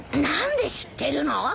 何で知ってるの？